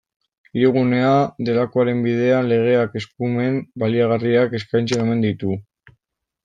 Hirigunea delakoaren bidean, legeak eskumen baliagarriak eskaintzen omen ditu.